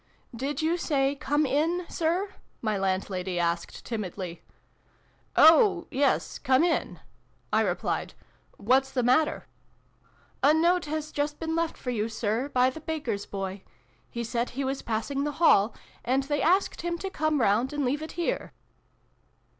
" Did you say ' come in !' Sir ?" my landlady asked timidly. " Oh yes, come in !" I replied. " What's the matter ?"" A note has just been left for you, Sir, by the baker's boy. He said he was passing the Hall, and they asked him to come round and leave it here."